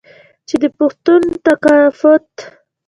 چې د پښتون ثقافت